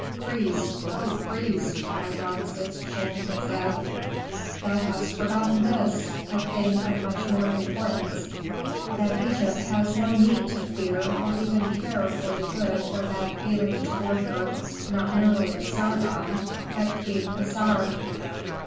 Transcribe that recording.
"Priest! O priest!" cried Rameses, shaking his head. "Thou hast forgotten this, a thing of much more importance, that Egypt has no need to fear or even care for the good or bad feeling toward her, not merely of Sargon, but King Assar."